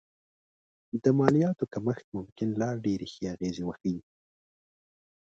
د مالیاتو کمښت ممکن لا ډېرې ښې اغېزې وښيي